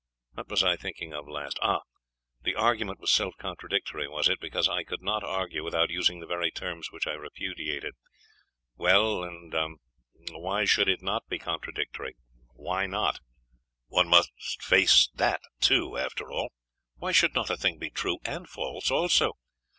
What was I thinking of last? Ah the argument was self contradictory, was it, because I could not argue without using the very terms which I repudiated. Well.... And why should it not be contradictory; Why not? One must face that too, after all. Why should not a thing be true and false also?